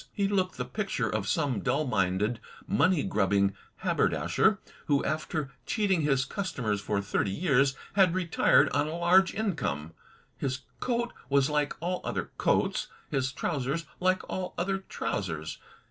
He looked the picture of some dull minded, money grubbing haber dasher, who after cheating his customers for thirty years, had retired on a large income. His coat was like all other coats, his trousers like all other trousers.